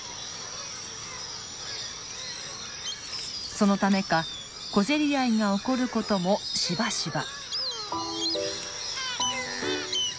そのためか小競り合いが起こることもしばしば。